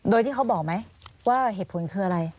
โดยที่เขาบอกไหมว่าเหตุผลคืออะไร